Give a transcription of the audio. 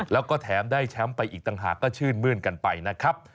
แล้วก็แถมได้แชมป์ไปอีกต่างหากก็ชื่นมื้นกันไปนะครับ